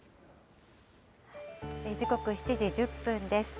時刻、７時１０分です。